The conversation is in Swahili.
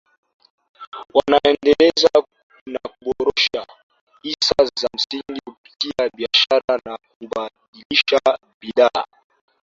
Wanaendeleza na kuboresha hisa za msingi kupitia biashara na kubadilisha bidhaa